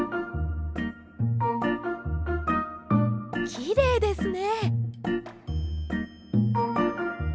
きれいですね。